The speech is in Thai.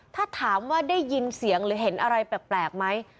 ถ้าถามได้ยินเสียงหรือเห็นอะไรเปลี่ยนแปลกไหม